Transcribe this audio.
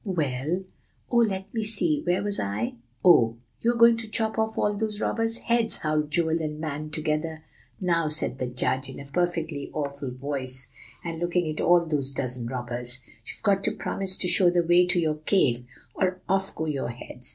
"Well, oh, let me see! where was I oh" "You are going to chop off all those robbers' heads," howled Joel and Van together. "'Now,' said the judge, in a perfectly awful voice, and looking at all those dozen robbers, 'you've got to promise to show the way to your cave, or off go your heads!